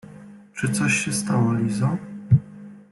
— Czy coś się stało Lizo?